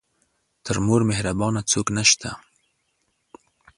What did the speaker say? تر مور مهربانه څوک نه شته .